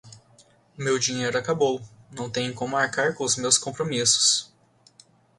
Meu dinheiro acabou, não tenho como arcar com meus compromissos.